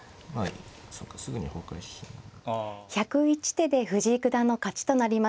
１０１手で藤井九段の勝ちとなりました。